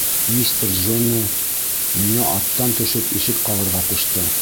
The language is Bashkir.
Мистер Джоне миңә аттан төшөп ишек ҡағырға ҡушты.